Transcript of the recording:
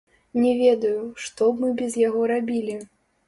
Не ведаю, што б мы без яго рабілі!